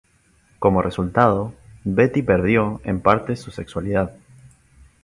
Como resultado, Betty perdió en parte su sexualidad.